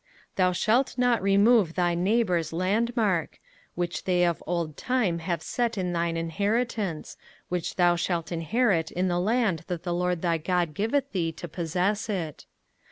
05:019:014 Thou shalt not remove thy neighbour's landmark, which they of old time have set in thine inheritance, which thou shalt inherit in the land that the LORD thy God giveth thee to possess it.